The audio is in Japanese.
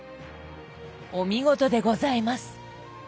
お見事でございます。